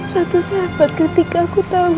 satu sahabat ketika aku tahu